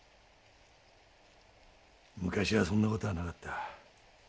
昔はそんな事はなかった。